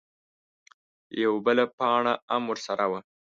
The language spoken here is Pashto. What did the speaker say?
_يوه بله پاڼه ام ورسره وه.